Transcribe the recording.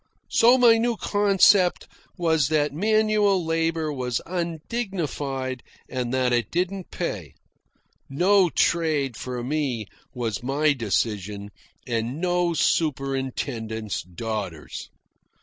So my new concept was that manual labour was undignified, and that it didn't pay. No trade for me, was my decision, and no superintendent's daughters.